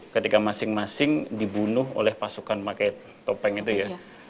ketika masing masing dibunuh oleh pasukan pakai topeng itu ya